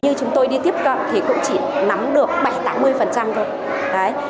như chúng tôi đi tiếp cận thì cũng chỉ nắm được bảy mươi tám mươi thôi